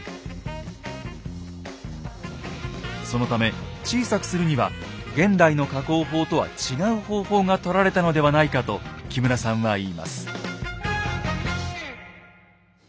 そのため小さくするには現代の加工法とは違う方法がとられたのではないかと木村さんは言います。